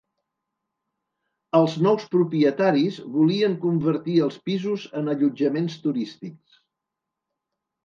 Els nous propietaris volien convertir els pisos en allotjaments turístics.